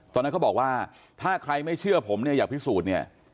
ตอนนั้นเขาบอกว่าถ้าใครไม่เชื่อผมอยากผิดสูตร